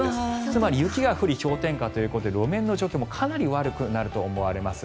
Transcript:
つまり雪が降り、氷点下ということで路面の状況もかなり悪くなると思われます。